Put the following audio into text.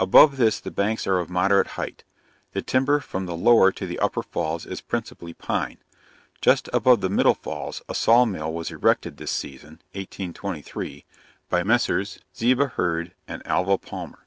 Above this the banks are of moderate height. The timber from the lower to the upper falls is principally pine. Just above the middle falls a saw mill was erected this season (1823) by Messrs. Ziba Hurd and Alva Palmer.